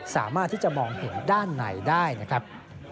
สามารถที่จะมองเห็นด้านในได้นะครับ